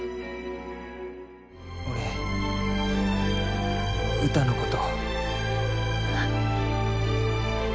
俺ウタのこと。